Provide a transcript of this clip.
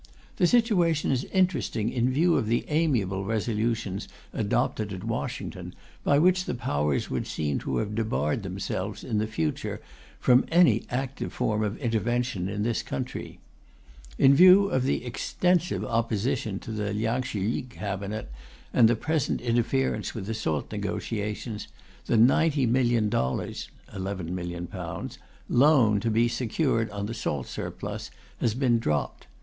The situation is interesting in view of the amiable resolutions adopted at Washington, by which the Powers would seem to have debarred themselves, in the future, from any active form of intervention in this country. In view of the extensive opposition to the Liang Shih yi Cabinet and the present interference with the salt negotiations, the $90,000,000 (£11,000,000) loan to be secured on the salt surplus has been dropped.